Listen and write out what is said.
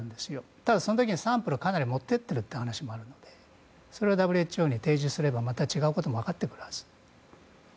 ただ、その時にサンプルをかなり持ってってるという話もあるのでそれをＷＨＯに提示すればまた新しいこともわかってくるはず。